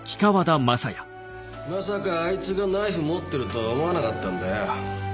まさかあいつがナイフ持ってるとは思わなかったんだよ。